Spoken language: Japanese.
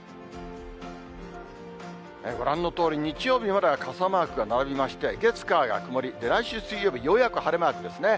ご覧のとおり、日曜日までは傘マークが並びまして、月、火が曇り、来週水曜日、ようやく晴れマークですね。